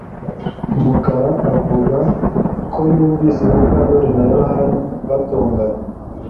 Mukara avuga ko yumvise Mukandoli na Yohani batongana